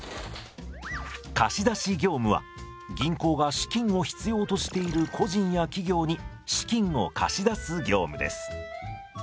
貸出業務は銀行が資金を必要としている個人や企業に資金を貸し出す業務です。